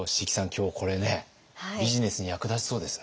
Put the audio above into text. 今日これねビジネスに役立ちそうですね。